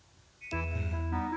うん。